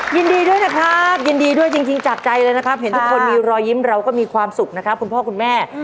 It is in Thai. ยินดีด้วยนะครับยินดีด้วยจริงจากใจเลยนะครับเห็นทุกคนมีรอยยิ้มเราก็มีความสุขนะครับคุณพ่อคุณแม่